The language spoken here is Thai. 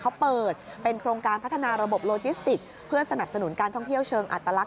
เขาเปิดเป็นโครงการพัฒนาระบบโลจิสติกเพื่อสนับสนุนการท่องเที่ยวเชิงอัตลักษ